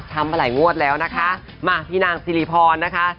มาหลายงวดแล้วนะคะมาพี่นางสิริพรนะคะ